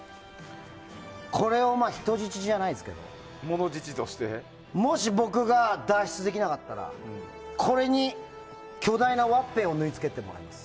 これを人質じゃないですけどもし、僕が脱出できなかったらこれに巨大なワッペンを縫い付けてもらいます。